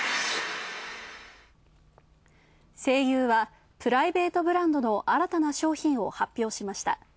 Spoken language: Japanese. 西友はプライベートブランドの新たな商品を発表しました。